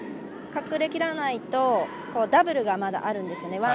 隠れきらないとダブルがまだあるんですよね。